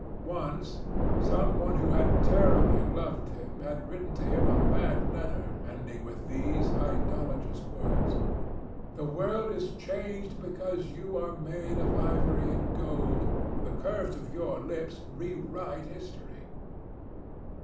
Once, some one who had terribly loved him had written to him a mad letter, ending with these idolatrous words: "The world is changed because you are made of ivory and gold. The curves of your lips rewrite history."